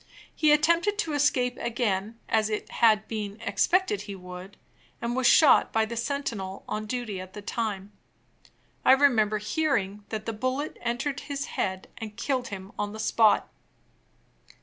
He attempted to escape again, as it had been expected he would, and was shot by the sentinel on duty at the time. I remember hearing that the bullet entered his head and killed him on the spot.